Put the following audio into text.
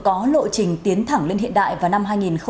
có lộ trình tiến thẳng lên hiện đại vào năm hai nghìn ba mươi